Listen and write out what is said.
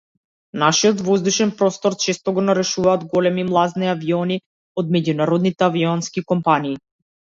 Нашиот воздушен простор често го нарушуваат големи млазни авиони од меѓународните авионски компании.